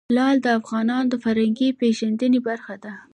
لعل د افغانانو د فرهنګي پیژندنې برخه ده.